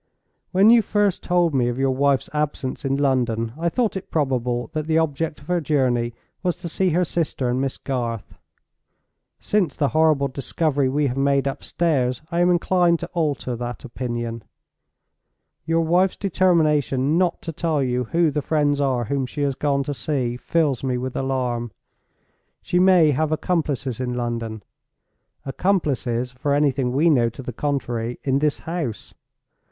When you first told me of your wife's absence in London, I thought it probable that the object of her journey was to see her sister and Miss Garth. Since the horrible discovery we have made upstairs, I am inclined to alter that opinion. Your wife's determination not to tell you who the friends are whom she has gone to see, fills me with alarm. She may have accomplices in London—accomplices, for anything we know to the contrary, in this house.